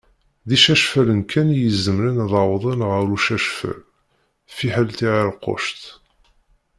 D icacfalen kan i izemren ad awḍen ar ucacfal, fiḥel tiεiṛkuct.